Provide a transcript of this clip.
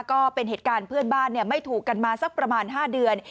ก็เป็นเหตุการณ์เพื่อนบ้านไม่ถูกกันมาสักประมาณ๕เดือน